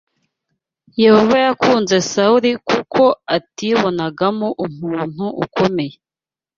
Yehova yakunze Sawuli kuko atibonagamo umuntu ukomeye.